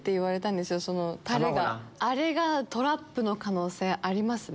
あれがトラップの可能性ありますね。